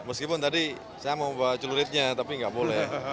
meskipun tadi saya mau bawa celuritnya tapi nggak boleh